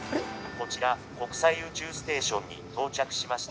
「こちら国際宇宙ステーションに到着しました」。